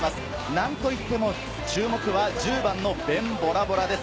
なんといっても注目は１０番のベン・ヴォラヴォラです。